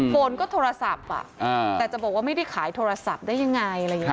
โฟนก็โทรศัพท์แต่จะบอกว่าไม่ได้ขายโทรศัพท์ได้ยังไงอะไรอย่างนี้